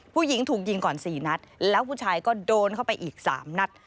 ผู้หญิงถูกยิงก่อน๔นัดแล้วผู้ชายก็โดนเข้าไปอีก๓นัด